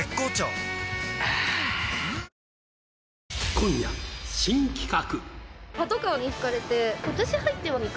今夜新企画！